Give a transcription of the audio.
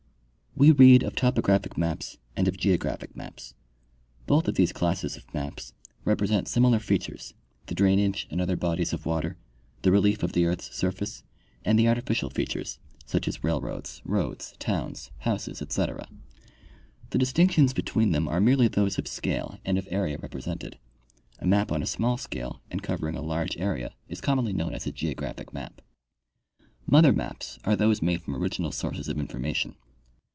We read of topographic maps and of geographic maps. Both of these classes of maps represent similar features — the drainage and other bodies of Avater, the relief of the earth's surface, and the artificial features, such as railroads, roads, towns, houses, etc. The distinctions between them are merely those of scale and of area represented. A map on a small scale and covering a large area is commonly known as a geographic map. Mother maps are those made from original sources of informa tion.